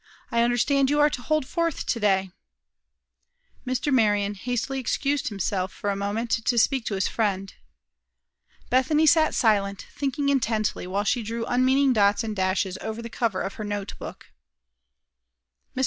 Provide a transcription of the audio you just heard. I understand you are to hold forth to day." Mr. Marion hastily excused himself for a moment, to speak to his friend. Bethany sat silent, thinking intently, while she drew unmeaning dots and dashes over the cover of her note book. Mr.